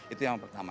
itu yang pertama